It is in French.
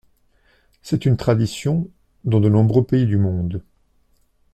C'est une tradition dans de nombreux pays du monde.